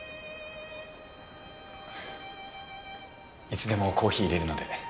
いつでもコーヒーいれるので。